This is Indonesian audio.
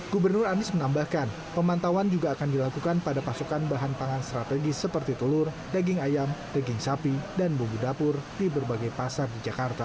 gubernur anies menambahkan pemantauan juga akan dilakukan pada pasokan bahan pangan strategis seperti telur daging ayam daging sapi dan bumbu dapur di berbagai pasar di jakarta